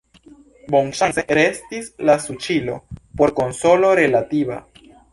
Bonŝance, restis la suĉilo por konsolo relativa.